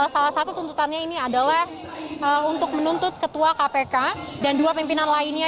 salah satu tuntutannya ini adalah untuk menuntut ketua kpk dan dua pimpinan lainnya